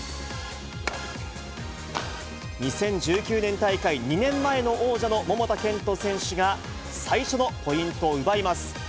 ２０１９年大会、２年前の王者の桃田賢斗選手が、最初のポイントを奪います。